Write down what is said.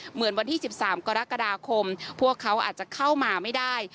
เหมือนวันที่๑๓กรกฎาคมพวกเขาอาจจะเข้ามาไม่ได้